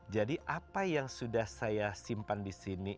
jadi apa yang sudah saya simpan di sini